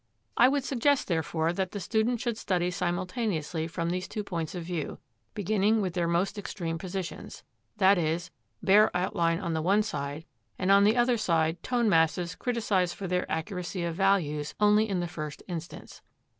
I would suggest, therefore, that the student should study simultaneously from these two points of view, beginning with their most extreme positions, that is, bare outline on the one side and on the other side tone masses criticised for their accuracy of values only in the first instance.